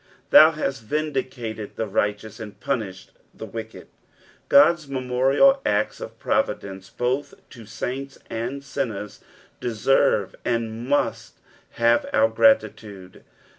Thou hast vindicated the rightenus, and punished the wicked. God's memorable acts of providence, both to saints and sinners, deserve and must have our gratitude.